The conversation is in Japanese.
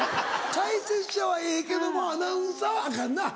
解説者はええけどもアナウンサーはアカンな。